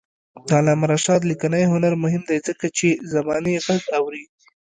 د علامه رشاد لیکنی هنر مهم دی ځکه چې زمانې غږ اوري.